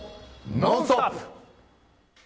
「ノンストップ！」。